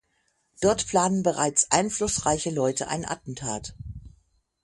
Dort planen bereits einflussreiche Leute ein Attentat.